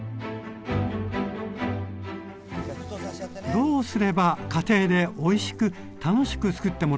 どうすれば家庭でおいしく楽しくつくってもらえるか。